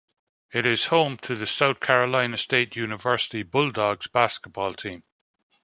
It is home to the South Carolina State University Bulldogs basketball team.